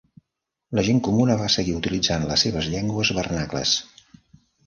La gent comuna va seguir utilitzant les seves llengües vernacles.